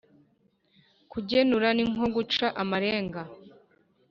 Kugenura ni nko guca amarenga